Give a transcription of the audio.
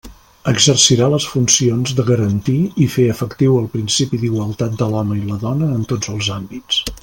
Exercirà les funcions de garantir i fer efectiu el principi d'igualtat de l'home i la dona en tots els àmbits.